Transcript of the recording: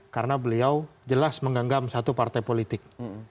karena beliau jelas mengganggam satu partai politik